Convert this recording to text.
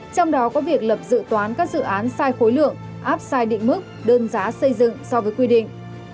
trong đó có việc lập dự toán các dự án sai khối lượng áp sai định mức đơn giá xây dựng so với quy định